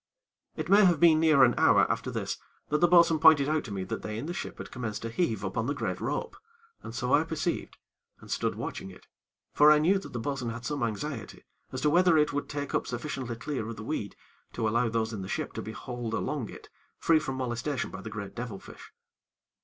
It may have been near an hour after this, that the bo'sun pointed out to me that they in the ship had commenced to heave upon the great rope, and so I perceived, and stood watching it; for I knew that the bo'sun had some anxiety as to whether it would take up sufficiently clear of the weed to allow those in the ship to be hauled along it, free from molestation by the great devil fish.